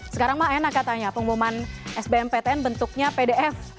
sekarang mah enak katanya pengumuman sbm ptn bentuknya pdf